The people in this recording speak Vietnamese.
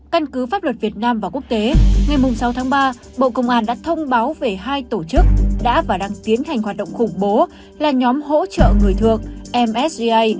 căn cứ pháp luật việt nam và quốc tế ngày sáu tháng ba bộ công an đã thông báo về hai tổ chức đã và đang tiến hành hoạt động khủng bố là nhóm hỗ trợ người thượng msda